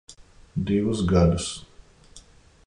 Divus gadus.